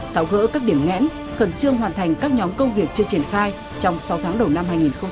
tạo gỡ các điểm ngẽn khẩn trương hoàn thành các nhóm công việc chưa triển khai trong sáu tháng đầu năm hai nghìn hai mươi